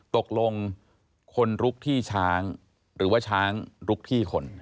ตกลงคนลุกที่ช้างหรือว่าช้างลุกที่คน